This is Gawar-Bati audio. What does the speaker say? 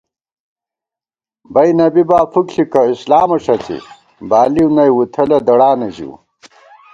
بئی نہ بِبا فُک ݪِکہ اسلامہ ݭڅی بالِؤ نئ وُتھَلہ دڑانہ ژِؤ